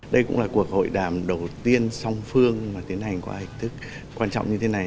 đây cũng là cuộc hội đàm đầu tiên song phương mà tiến hành qua hình thức quan trọng như thế này